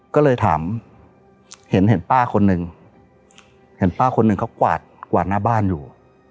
ก็เลยถามเห็นป้าคนหนึ่งเห็นป้าคนหนึ่งเขากวาดกวาดหน้าบ้านอยู่